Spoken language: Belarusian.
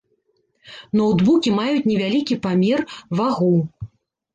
Ноўтбукі маюць невялікі памер, вагу.